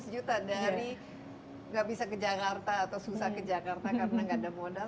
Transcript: seratus juta dari nggak bisa ke jakarta atau susah ke jakarta karena nggak ada modal